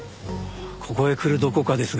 ここへ来るどこかですが